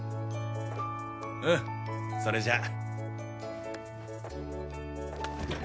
うんそれじゃ。